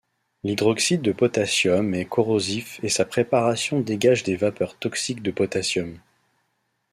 L'hydroxyde de potassium est corrosif et sa préparation dégage des vapeurs toxiques de potassium.